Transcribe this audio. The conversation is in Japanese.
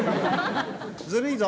ずるいぞ」。